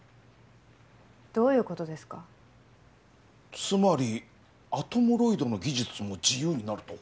どういうことですかつまりアトムロイドの技術も自由になると？